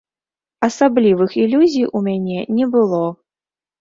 Асаблівых ілюзій у мяне не было.